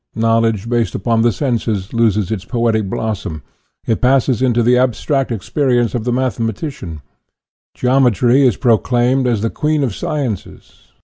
Knowledge based upon the senses loses its poetic blossom, it passes into the abstract experience of the mathematician; geometry is proclaimed as the queen of sciences.